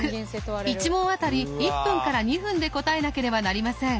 １問当たり１分から２分で答えなければなりません。